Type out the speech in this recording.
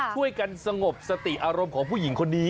ช่วยกันสงบสติอารมณ์ของผู้หญิงคนนี้